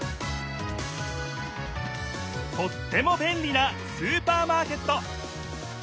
とってもべんりなスーパーマーケット！